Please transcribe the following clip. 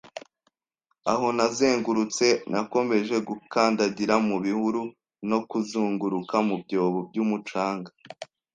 aho nazengurutse nakomeje gukandagira mu bihuru no kuzunguruka mu byobo byumucanga.